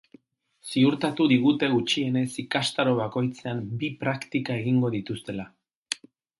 Ziurtatu digute gutxienez ikastaro bakoitzean bi praktika egingo dituztela.